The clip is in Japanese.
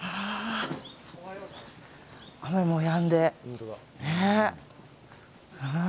雨も止んで。